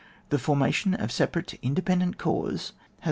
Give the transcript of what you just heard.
The forma tion of separate independent corps has VOL.